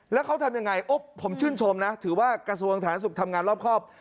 แล้วเขาทำยังไงผมชื่นชมนะถือว่ากระทรวงสาธารณสุขทำงานรอบครอบ